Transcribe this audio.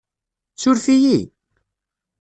Surf-iyi?